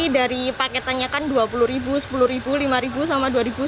dari paketannya kan dua puluh sepuluh lima sama dua satu